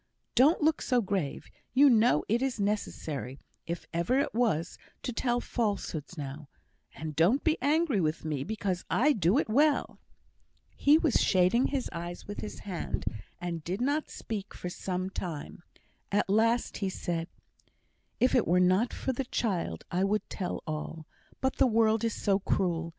Don't look so grave. You know it is necessary, if ever it was, to tell falsehoods now; and don't be angry with me because I do it well." He was shading his eyes with his hand, and did not speak for some time. At last he said: "If it were not for the child, I would tell all; but the world is so cruel.